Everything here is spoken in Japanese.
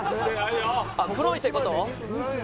黒いってこと？